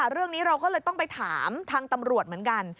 เรื่องนี้เราก็เลยต้องไปถามทางตำรวจเหมือนกัน